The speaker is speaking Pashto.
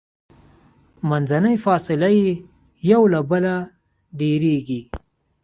منځنۍ فاصله یې یو له بله ډیریږي.